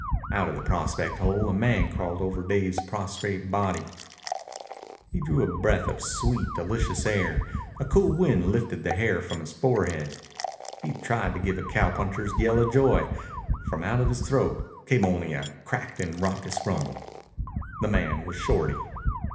Out of the prospect hole a man crawled over Dave's prostrate body. He drew a breath of sweet, delicious air. A cool wind lifted the hair from his forehead. He tried to give a cowpuncher's yell of joy. From out of his throat came only a cracked and raucous rumble. The man was Shorty.